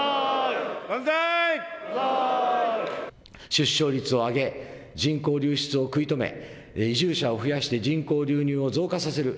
出生率を上げ、人口流出を食い止め、移住者を増やして人口流入を増加させる。